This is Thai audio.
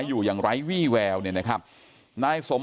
กลุ่มตัวเชียงใหม่